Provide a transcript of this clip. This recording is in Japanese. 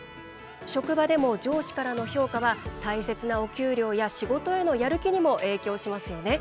職場でも上司からの評価は大切なお給料や仕事へのやる気にも影響しますよね。